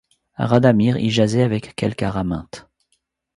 Rhadamire y jasait avec quelque Aramynthe ;